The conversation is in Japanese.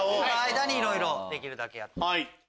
間にいろいろできるだけやる。